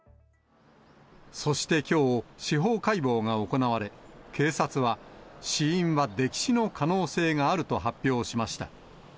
そしてきょう、司法解剖が行われ、警察は、死因は溺死の可能性があると発表しました。